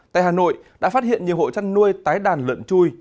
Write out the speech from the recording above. tại hà nội đã phát hiện nhiều hộ chăn nuôi tái đàn lợn chui